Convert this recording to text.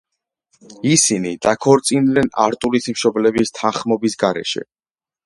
ისინი დაქორწინდნენ არტურის მშობლების თანხმობის გარეშე.